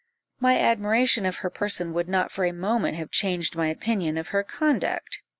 "My admiration of her person would not for a moment have changed my opinion of her conduct.